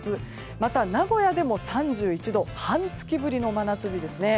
また名古屋でも３１度半月ぶりの真夏日ですね。